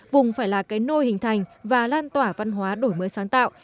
vùng phải là cái nôi hình thành và lan tỏa văn hóa đổi mới sáng tạo